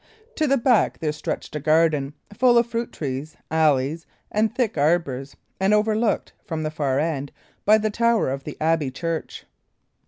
To the back there stretched a garden, full of fruit trees, alleys, and thick arbours, and overlooked from the far end by the tower of the abbey church.